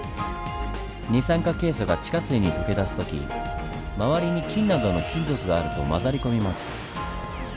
二酸化ケイ素が地下水に溶け出す時周りに金などの金属があると混ざり込みます。